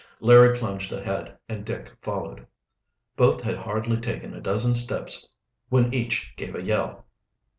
Larry plunged ahead and Dick followed. Both had hardly taken a dozen steps when each gave a yell.